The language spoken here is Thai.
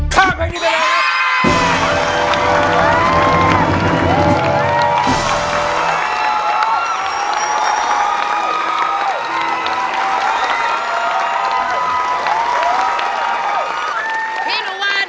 สู้ครับ